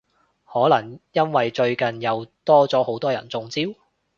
可能因為最近又多咗好多人中招？